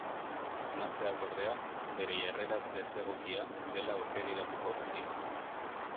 Emazteak ordea, bere jarrera desegokia dela aurpegiratuko dio.